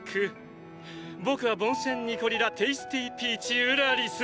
僕はボンシェン・ニコリ・ラ・テイスティピーチ＝ウラリス。